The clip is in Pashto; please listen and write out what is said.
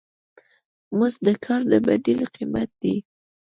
مزد د کار د بدیل قیمت دی.